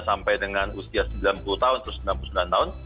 sampai dengan usia sembilan puluh tahun